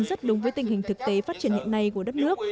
rất đúng với tình hình thực tế phát triển hiện nay của đất nước